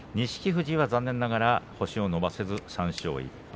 富士は残念ながら星を伸ばせず３勝１敗。